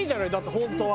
本当は。